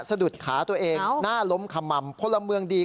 สะดุดเขาตัวเองหน้าล้มขมหมเพราะละเมืองดี